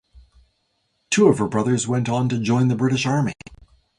Two of her brothers went on to join the British Army.